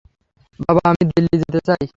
বাবা, আমি দিল্লি যেতে চাই।